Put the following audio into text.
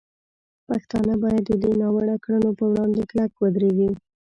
پښتانه باید د دې ناوړه کړنو په وړاندې کلک ودرېږي.